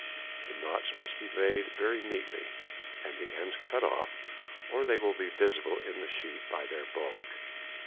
The knots must be made very neatly, and the ends cut off, or they will be visible in the sheet by their bulk.